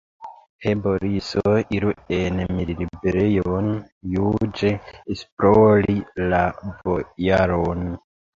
He, Boriso, iru en malliberejon juĝe esplori la bojaron!